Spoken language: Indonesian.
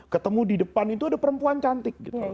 ketemu di depan itu ada perempuan cantik gitu